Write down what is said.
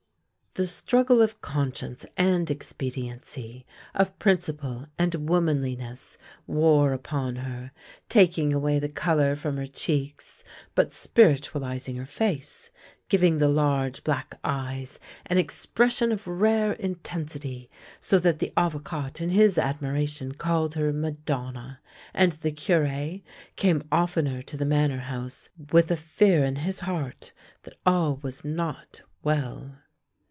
The struggle of conscience and expediency, of prin ciple and womanliness, wore upon her, taking away the colour from her cheeks, but spiritualising her face, giv ing the large black eyes an expression of rare intensity, so that the Avocat in his admiration called her Ma donna, and the Cure came oftener to the Manor House with a fear in his heart that all was not well.